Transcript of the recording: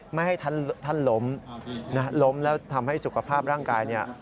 ไม่ให้ท่านล้มล้มแล้วทำให้สุขภาพร่างกายเนี่ย